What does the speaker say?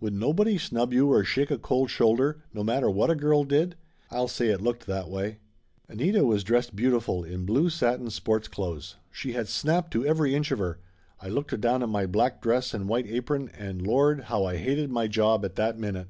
Would nobody snub you or shake a cold shoulder, no matter what a girl did ? I'll say it looked that way! Anita was dressed beautiful, in blue satin sports clothes. She had snap to every inch of her. I looked down at my black dress and white apron, and Lord, how I hated my job at that minute!